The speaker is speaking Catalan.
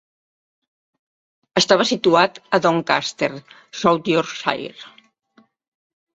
Estava situat a Doncaster, South Yorkshire.